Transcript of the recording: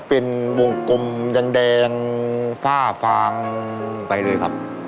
เป็นวงกลมแดงฝ้าฟางไปเลยครับ